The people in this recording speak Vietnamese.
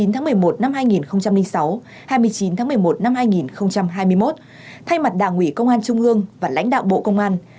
hai mươi tháng một mươi một năm hai nghìn sáu hai mươi chín tháng một mươi một năm hai nghìn hai mươi một thay mặt đảng ủy công an trung ương và lãnh đạo bộ công an